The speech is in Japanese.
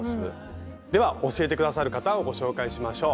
では教えて下さる方をご紹介しましょう。